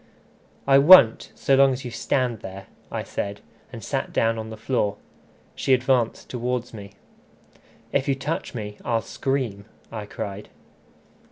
"I won't, so long as you stand there," I said, and sat down on the floor. She advanced towards me. "If you touch me, I'll scream," I cried.